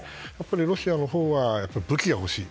ロシアのほうは武器が欲しい。